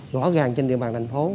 rõ ràng trên địa bàn thành phố